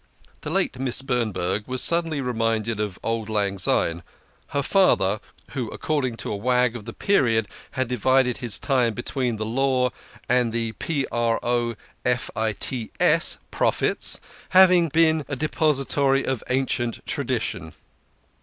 The late Miss Bernberg was suddenly reminded of auld lang syne : her father (who according to a wag of the period had divided his time between the Law and the profits) hav ing been a depositary of ancient tradition.